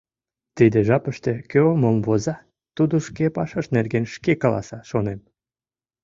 Тиде жапыште кӧ мом воза, тудо шке пашаж нерген шке каласа, шонем.